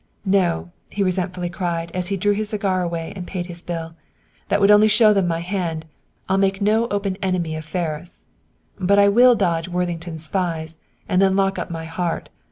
"No," he resentfully cried, as he threw his cigar away and paid his bill, "that would only show them my hand. I'll make no open enemy of Ferris." "But I will dodge Worthington's spies and then lock up my heart.